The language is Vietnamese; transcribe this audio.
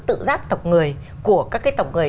tự giác tộc người của các cái tộc người